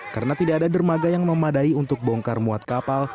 karena tidak ada dermaga yang memadai untuk bongkar muat kapal